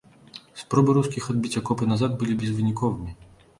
Спробы рускіх адбіць акопы назад былі безвыніковымі.